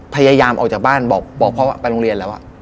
พยายามออกจากบ้านบอกพ่อว่าไปโรงเรียนแล้ว